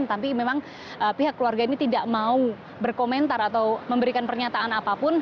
tapi memang pihak keluarga ini tidak mau berkomentar atau memberikan pernyataan apapun